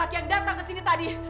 bayi laki laki yang datang ke sini tadi